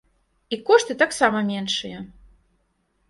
І кошты таксама меншыя.